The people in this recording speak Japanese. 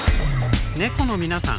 ネコの皆さん！